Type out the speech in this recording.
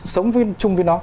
sống chung với nó